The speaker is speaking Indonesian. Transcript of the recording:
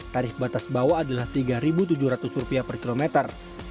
tarif batas bawah adalah rp tiga tujuh ratus per kilometer